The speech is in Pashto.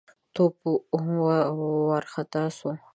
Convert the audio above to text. تواب وارخطا شو: